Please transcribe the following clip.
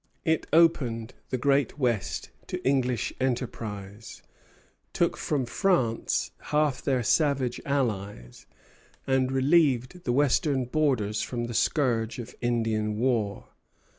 It opened the Great West to English enterprise, took from France half her savage allies, and relieved the western borders from the scourge of Indian war.